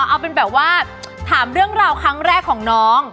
เอาเป็นแบบว่าถามเรื่องราวครั้งแรกของน้อง